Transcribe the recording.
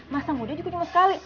masa muda juga nyebut sekali